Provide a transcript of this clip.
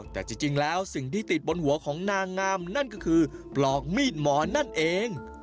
แต่จริงแล้วสิ่งที่ติดบนหัวของนางงามนั่นก็คือปลอกมีดหมอนั่นเอง